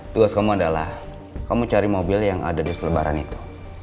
tugas kamu adalah kamu cari mobil yang ada di selebaran itu